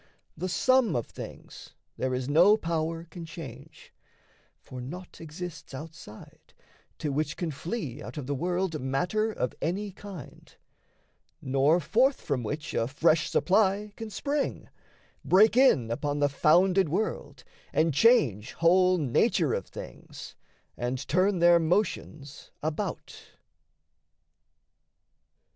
The sum of things there is no power can change, For naught exists outside, to which can flee Out of the world matter of any kind, Nor forth from which a fresh supply can spring, Break in upon the founded world, and change Whole nature of things, and turn their motions about.